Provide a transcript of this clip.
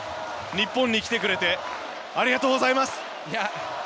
日本に来てくれてありがとうございます！